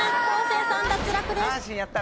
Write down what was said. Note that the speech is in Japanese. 昴生さん脱落です。